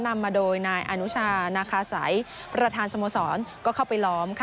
นำมาโดยนายอนุชานาคาสัยประธานสโมสรก็เข้าไปล้อมค่ะ